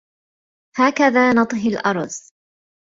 هكذا نطهي الأرز